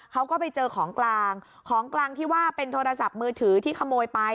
เขาก็ไปเจอของกลางของกลางที่ว่าเป็นโทรศัพท์มือถือที่ขโมยไป